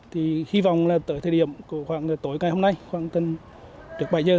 thì hy vọng là tới thời điểm khoảng tối ngày hôm nay khoảng từ bảy h